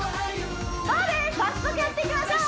そうです早速やっていきましょう！